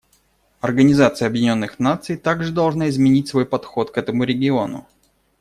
Организация Объединенных Наций также должна изменить свой подход к этому региону.